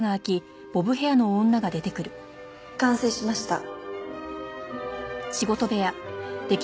完成しました。